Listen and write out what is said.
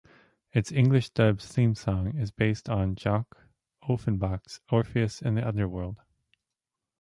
Its English dub's theme song is based on Jacques Offenbach's "Orpheus in the Underworld".